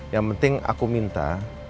yang penting aku minta